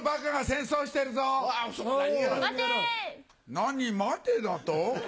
何待てだと？